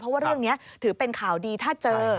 เพราะว่าเรื่องนี้ถือเป็นข่าวดีถ้าเจอ